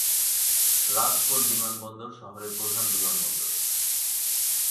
রাজকোট বিমানবন্দর শহরের প্রধান বিমানবন্দর।